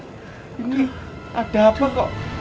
ini ada apa kok